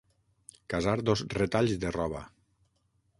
Casar dos retalls de roba.